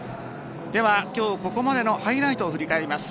では、今日ここまでのハイライトを振り返ります。